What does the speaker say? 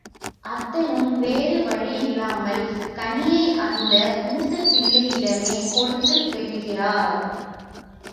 அத்தனும் வேறு வழியில்லாமல் கனியை அந்த மூத்த பிள்ளையிடமே கொடுத்து விடுகிறார்.